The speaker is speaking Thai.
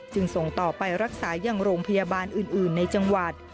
ส่งต่อไปรักษายังโรงพยาบาลอื่นในจังหวัด